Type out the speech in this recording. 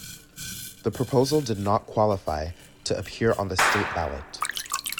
The proposal did not qualify to appear on the state ballot.